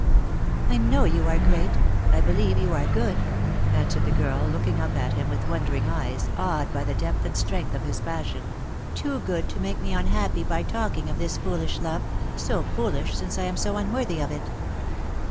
" I know you are great. I believe you are good," answered the girl, looking up at him with wondering eyes, awed by the depth and strength of his passion; "too good to make me un happy by talking of this foolish love — so foolish since I am so unworthy of it."